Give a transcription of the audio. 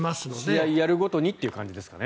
試合をやるごとにという感じですかね。